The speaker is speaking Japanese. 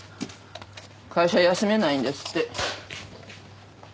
会社休めないんですって。